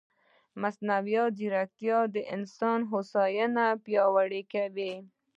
مصنوعي ځیرکتیا د انسان هوساینه پیاوړې کوي.